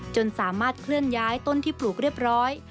จนสามารถเคลื่อนย้ายต้นที่ปลูกเรียบร้อย